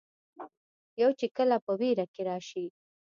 يو چې کله پۀ وېره کښې راشي